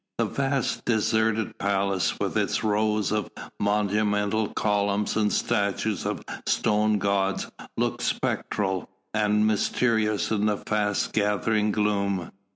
The vast deserted palace, with its rows of monumental columns and statues of stone gods looked spectral and mysterious in the fast gathering gloom.